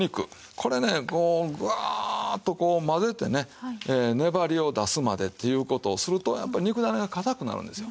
これねこうグワーッとこう混ぜてね粘りを出すまでっていう事をするとやっぱり肉だねが硬くなるんですよ。